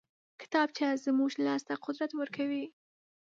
کتابچه زموږ لاس ته قدرت ورکوي